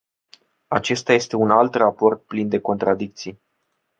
Acesta este un alt raport plin de contradicții.